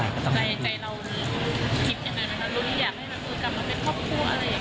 หรืออยากให้มันคุยกับมันเป็นครอบครัวอะไรอย่างนี้